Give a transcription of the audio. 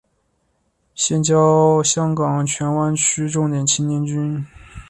现教香港荃湾区重点青年军。